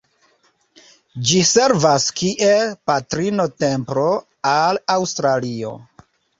Ĝi servas kiel "Patrino-Templo" al Aŭstralio.